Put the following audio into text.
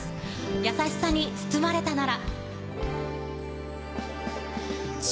『やさしさに包まれたなら』。